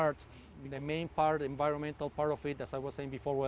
bagian utama bagian lingkungan seperti yang saya katakan sebelumnya